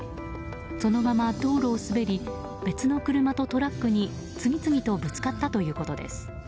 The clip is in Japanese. そのまま道路を滑り別の車とトラックに次々とぶつかったということです。